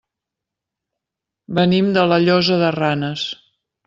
Venim de la Llosa de Ranes.